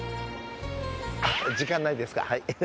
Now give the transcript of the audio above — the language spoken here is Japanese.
あっ、時間ないですか、はい。